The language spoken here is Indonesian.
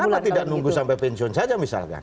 kenapa tidak nunggu sampai pensiun saja misalkan